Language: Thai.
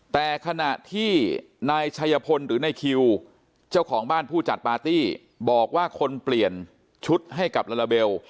แต่ขณะที่นายชัยพลหรือนายคิวเจ้าของบ้านผู้จัดปาร์ตี้บอกว่าคนเปลี่ยนชุดให้กับลาลาเบล